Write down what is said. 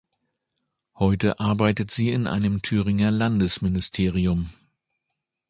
Heute arbeitet sie in einem Thüringer Landesministerium.